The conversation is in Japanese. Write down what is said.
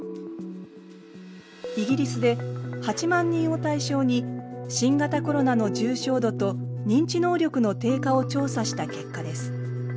イギリスで８万人を対象に新型コロナの重症度と認知能力の低下を調査した結果です。